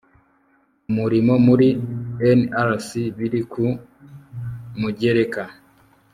umurimo muri NRS biri ku mugereka